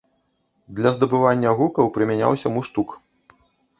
Для здабывання гукаў прымяняўся муштук.